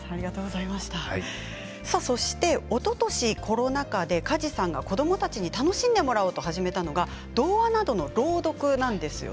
そして、おととしコロナ禍で梶さんが子どもたちに楽しんでもらおうと始めたのが童話などの朗読なんです。